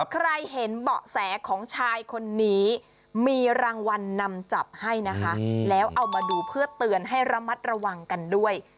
ใครเห็นเบาะแสของชายคนนี้มีรางวัลนำจับให้นะคะแล้วเอามาดูเพื่อเตือนให้ระมัดระวังกันด้วย